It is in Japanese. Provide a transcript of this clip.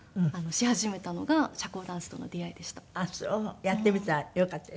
やってみたら良かったですか？